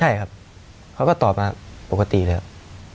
ใช่ครับเขาก็ตอบมาปกติเลยครับ